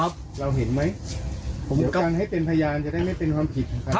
ครับผมเป็นพยานเนี่ยครับ